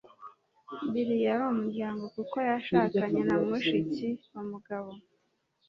Bill yari umuryango kuko yashakanye na mushiki wa Mugabo.